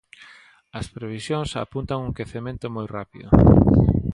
As previsións apuntan a un quecemento moi rápido.